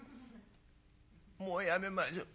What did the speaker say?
「もうやめましょ。